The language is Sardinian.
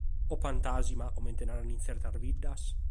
O pantàsima, comente narant in tzertas biddas?